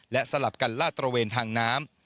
และสลับกันลาดตระเวนทางน้ำ